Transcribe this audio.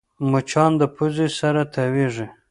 مچان د پوزې سره تاوېږي